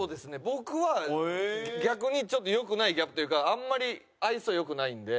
僕は逆にちょっとよくないギャップというかあんまり愛想よくないんで。